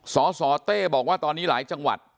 สสเต้บอกว่าตอนนี้หลายจังหวัด